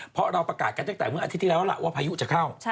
เพราะเราประกาศกันตั้งแต่เมื่ออาทิตย์ที่แล้วล่ะว่าพายุจะเข้า